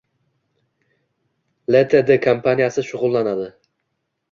Ltd kompaniyasi shug‘ullanadi